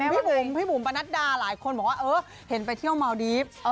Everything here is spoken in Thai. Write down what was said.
พี่บุ๋มประนัดดาหลายคนบอกว่าเห็นไปเที่ยวเมาห์ดีก็